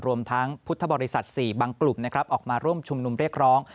รวมทั้งพุทธบริษัท๔บางกลุ่มนะครับออกมาร่วมชุมนุมเรียกร้อง